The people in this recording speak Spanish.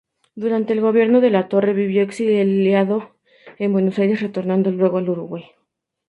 Durante el gobierno de Latorre vivió exiliado en Buenos Aires, retornando luego al Uruguay.